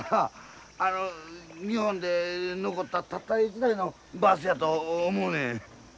あの日本で残ったたった一台のバスやと思うねん。